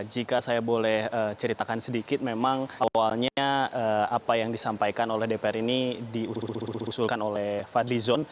jika saya boleh ceritakan sedikit memang awalnya apa yang disampaikan oleh dpr ini diusulkan oleh fadli zon